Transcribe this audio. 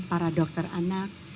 para dokter anak